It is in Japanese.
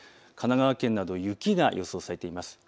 神奈川県など雪が予想されています。